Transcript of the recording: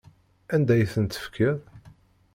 Anda ay ten-tefkiḍ?